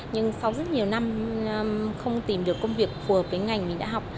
nhưng sau rất nhiều năm không tìm được công việc phù hợp với ngành mình đã học